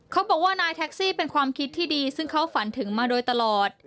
เขาบอกว่านายแท็กซี่เป็นความคิดที่ดีซึ่งเขาฝันถึงมาโดยตลอด